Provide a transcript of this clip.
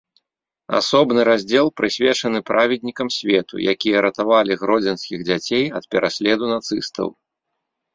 Асобны раздзел прысвечаны праведнікам свету, якія ратавалі гродзенскіх дзяцей ад пераследу нацыстаў.